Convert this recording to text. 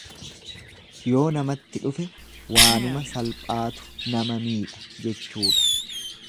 Yoo namatti dhufe waanuma salphaatu nama miidha jechuudha.